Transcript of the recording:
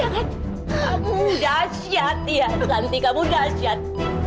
kamu dahsyat dia nanti kamu dahsyat